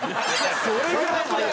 それぐらい速い。